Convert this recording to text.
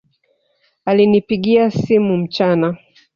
Alinipigia simu mchana